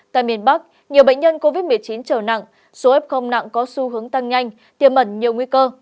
tại miền bắc nhiều bệnh nhân covid một mươi chín trở nặng số f nặng có xu hướng tăng nhanh tiềm mẩn nhiều nguy cơ